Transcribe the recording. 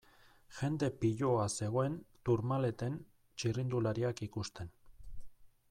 Jende piloa zegoen Tourmaleten txirrindulariak ikusten.